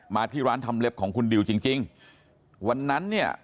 ที่ร้านทำเล็บของคุณดิวจริงจริงวันนั้นเนี่ย